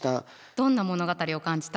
どんな物語を感じた？